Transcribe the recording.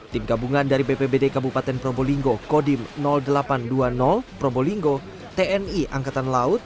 tim gabungan dari bpbd kabupaten probolinggo kodim delapan ratus dua puluh probolinggo tni angkatan laut